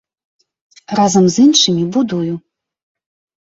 Разам з іншымі будую.